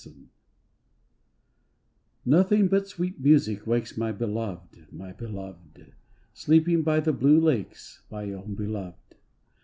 SONG Nothing but sweet music wakes My Beloved, my Beloved. Sleeping by the blue lakes, My own Beloved!